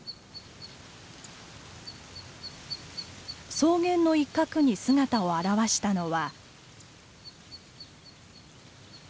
草原の一角に姿を現したのは。